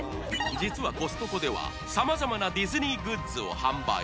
実はコストコではさまざまなディズニーグッズを販売